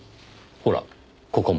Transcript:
ほらここも。